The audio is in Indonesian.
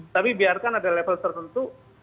tapi biarkan ada level tertentu